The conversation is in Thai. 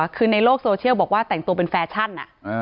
คือในโลกโซเชียลบอกว่าแต่งตัวเป็นแฟชั่น